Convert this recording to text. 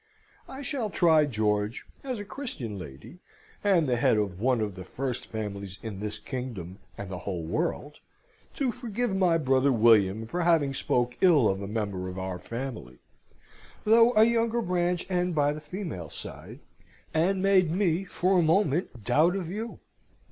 I shall try, George, as a Christian lady, and the head of one of the first families in this kingdom and the whole world, to forgive my brother William for having spoke ill of a member of our family, though a younger branch and by the female side, and made me for a moment doubt of you.